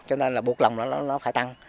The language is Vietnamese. cho nên là nó cao hơn cho nên là nó cao hơn